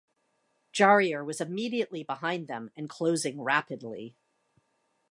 Jarier was immediately behind them and closing rapidly.